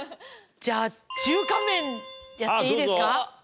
じゃあ中華麺やっていいですか？